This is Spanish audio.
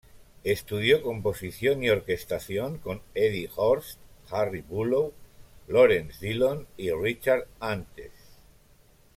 Estudió composición y orquestación con Eddie Horst, Harry Bülow, Lawrence Dillon y Richard Antes.